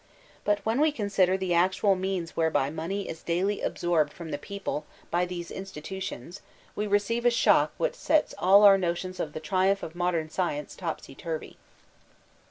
But when we con* sider the actual means whereby money is daily absorbed from the people by these institutions we receive a shock which sets all our notions of the triumph of Modem Science topsy turvy.